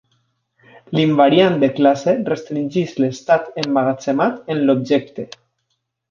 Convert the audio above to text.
L'invariant de classe restringeix l'estat emmagatzemat en l'objecte.